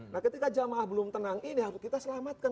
nah ketika jamaah belum tenang ini harus kita selamatkan